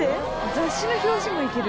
雑誌の表紙もいける。